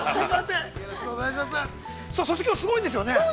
さあそしてきょうすごいんですよね。